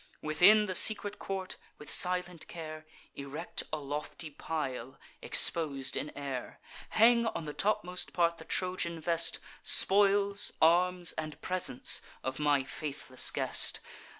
Within the secret court, with silent care, Erect a lofty pile, expos'd in air: Hang on the topmost part the Trojan vest, Spoils, arms, and presents, of my faithless guest.